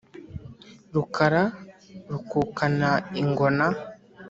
Rukara rukukana ingona;